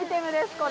これ。